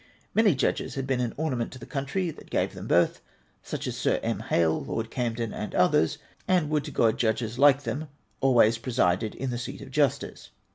Many judges had been an ornament to the country that gave them birth, such as Sir M. Hale, Lord Camden, and others ; and would to God judges like them always presided in the seat of justice.